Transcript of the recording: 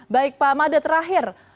baik pak mada terakhir